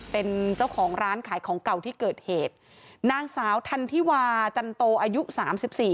เป็นเจ้าของร้านขายของเก่าที่เกิดเหตุนางสาวทันทิวาจันโตอายุสามสิบสี่